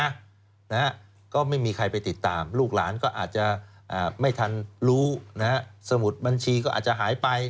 นะฮะก็ไม่มีใครไปติดตามลูกหลานก็อาจจะไม่ทันรู้นะฮะสมุดบัญชีก็อาจจะหายไป